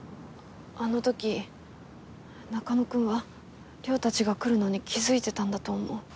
あの時中野くんは稜たちが来るのに気づいてたんだと思う。